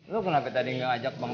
lo kenapa tadi nggak ajak bang